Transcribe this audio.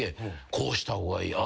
ああした方がいい。